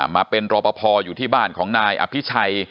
มาเป็นรอปภอยู่ที่บ้านของนายอภิชัย